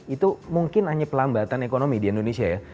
itu mungkin hanya pelambatan ekonomi di indonesia ya